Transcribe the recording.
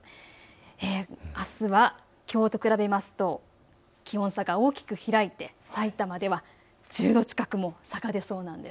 あすは、きょうと比べますと気温差が大きく開いてさいたまでは１０度近くも下がりそうなんです。